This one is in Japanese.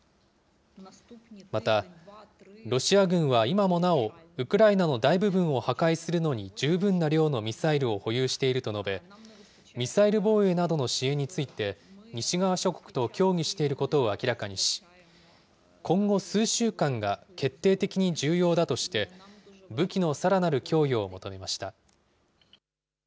また、ロシア軍は今もなお、ウクライナの大部分を破壊するのに十分な量のミサイルを保有していると述べ、ミサイル防衛などの支援について、西側諸国と協議していることを明らかにし、今後数週間が決定的に重要だとして、武器のさらなる供与を求めました。